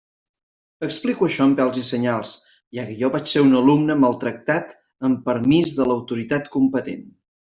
Explico això amb pèls i senyals, ja que jo vaig ser un alumne maltractat amb permís de l'autoritat competent.